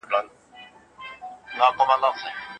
زکات د شتمنۍ تزکیه ده.